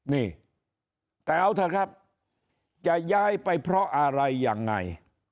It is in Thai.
นี่แต่เอาเถอะครับจะย้ายไปเพราะอะไรยังไง